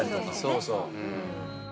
そうそう。